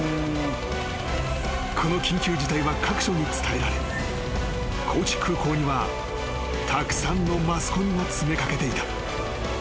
［この緊急事態は各所に伝えられ高知空港にはたくさんのマスコミが詰め掛けていた］